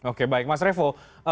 oke baik mas raffo